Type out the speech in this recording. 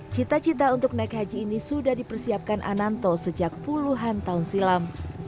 cita cita untuk naik haji ini sudah dipersiapkan ananto sejak puluhan tahun silam